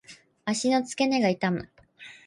足の付け根が痛む。